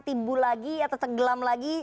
timbul lagi atau tenggelam lagi